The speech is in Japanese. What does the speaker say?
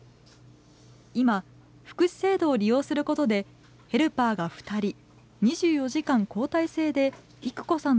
今福祉制度を利用することでヘルパーが２人２４時間交代制で育子さんの暮らしを支えています。